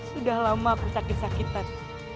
sudah lama aku sakit sakitan